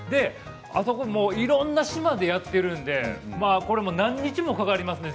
いろんな島でやっているのでこれも何日もかかりますね